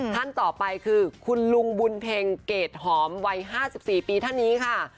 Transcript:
ท่านต่อไปคือคุณลุงบุญเพ็งเกรดหอมวัย๕๔ปีท่านนี้ค่ะ